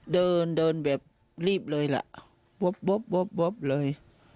เดินเดินแบบรีบเลยล่ะวับเลย